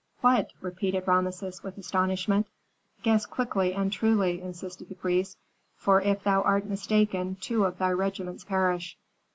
"What?" repeated Rameses, with astonishment. "Guess quickly and truly," insisted the priest, "for if thou art mistaken two of thy regiments perish."